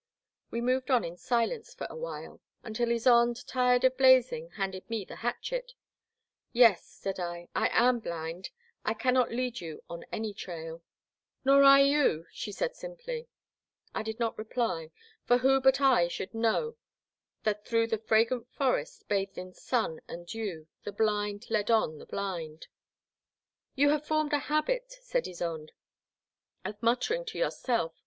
'' We moved on in silence for a while, until Ysonde, tired of blazing, handed me the hatchet. Yes," said I, I am blind — I cannot lead you — on any trail." I70 The Black Water. Nor I you/' she said simply. I did not reply, for who but I should know that through the fragrant forest, bathed in sun and dew, the blind led on the blind. " You have formed a habit,'* said Ysonde, " of muttering to yourself.